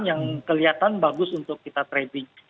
yang kelihatan bagus untuk kita trading